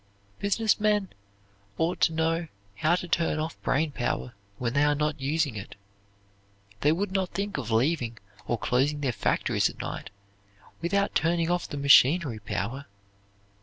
Business men ought to know how to turn off brain power when they are not using it. They would not think of leaving or closing their factories at night without turning off the machinery power.